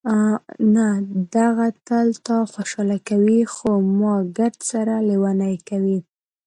نه، دغه تل تا خوشحاله کوي، خو ما ګردسره لېونۍ کوي.